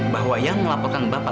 bahwa yang melaporkan bapak